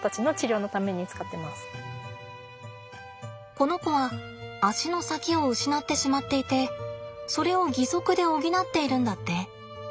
この子は脚の先を失ってしまっていてそれを義足で補っているんだって。